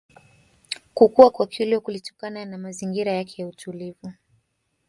Kukua kwa Kilwa kulitokana na mazingira yake ya utulivu